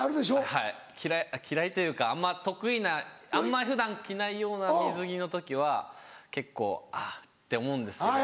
はい嫌いというかあんま得意なあんま普段着ないような水着の時は結構「あぁ」と思うんですけど。